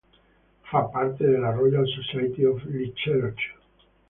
Fa parte della Royal Society of Literature.